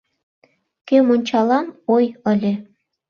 Кӧм ончалам, ой, ыле?